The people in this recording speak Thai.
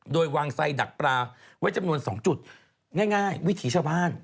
โดยวางไซดักปลาไว้จำนวน๒จุดง่ายวิถีชาวบ้าน